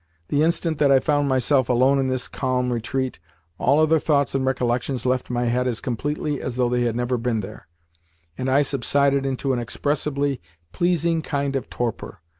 The instant that I found myself alone in this calm retreat all other thoughts and recollections left my head as completely as though they had never been there, and I subsided into an inexpressibly pleasing kind of torpor.